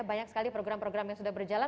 banyak sekali program program yang sudah berjalan